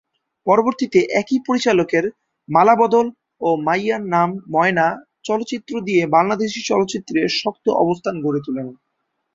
পরবর্তীতে একই পরিচালকের "মালা বদল" ও "মাইয়ার নাম ময়না" চলচ্চিত্র দিয়ে বাংলাদেশী চলচ্চিত্রে শক্ত অবস্থান গড়ে তুলেন।